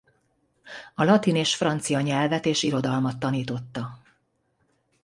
A latin és francia nyelvet és irodalmat tanította.